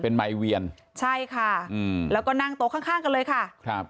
เป็นไมค์เวียนใช่ค่ะอืมแล้วก็นั่งโต๊ะข้างข้างกันเลยค่ะครับ